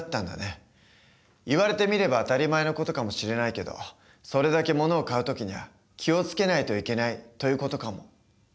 言われてみれば当たり前の事かもしれないけどそれだけものを買う時には気を付けないといけないという事かも。